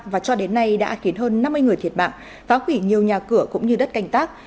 và cho đến nay đã khiến hơn năm mươi người thiệt mạng phá hủy nhiều nhà cửa cũng như đất canh tác